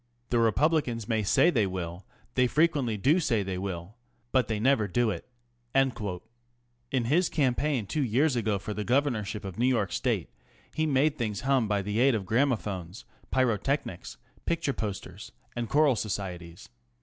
The Republicans may say lhey will ŌĆö they frequently do say they will. But they never do it. In his campaign two years ago for the Governor ship of New York State he made things hum by the aid of gramophones, pyrotechnics, picture posters, choral societies.